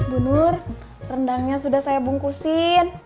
bu nur rendangnya sudah saya bungkusin